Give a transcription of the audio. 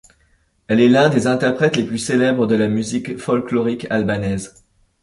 Elle est l'une des interprètes les plus célèbres de la musique folklorique albanaise.